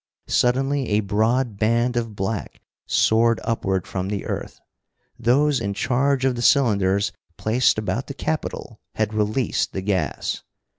Suddenly a broad band of black soared upward from the earth. Those in charge of the cylinders placed about the Capitol had released the gas.